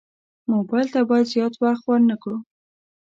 موبایل ته باید زیات وخت ورنه کړو.